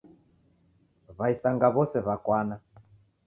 W'aisanga w'ose w'akwana.